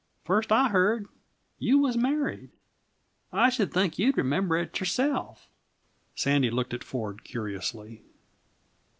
First I heard, you was married. I should think you'd remember it yourself." Sandy looked at Ford curiously.